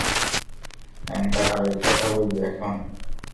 ন্যাংটাকালের কথা বলবি এখন!